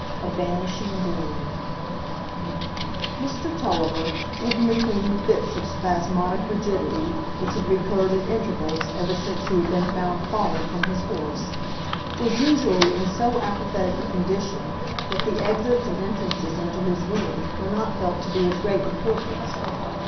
A Vanishing Gleam Mr Tulliver, even between the fits of spasmodic rigidity which had recurred at intervals ever since he had been found fallen from his horse, was usually in so apathetic a condition that the exits and entrances into his room were not felt to be of great importance.